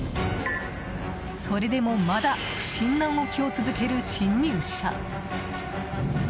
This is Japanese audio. それでもまだ不審な動きを続ける侵入者。